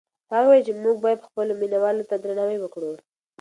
هغه وویل چې موږ باید خپلو مینه والو ته درناوی وکړو.